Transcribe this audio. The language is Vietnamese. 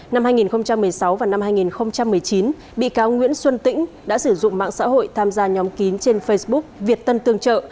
năm hai nghìn một mươi sáu và năm hai nghìn một mươi chín bị cáo nguyễn xuân tĩnh đã sử dụng mạng xã hội tham gia nhóm kín trên facebook việt tân tương trợ